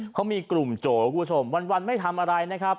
เขามีกลุ่มโจวันไม่ทำอะไรนะครับ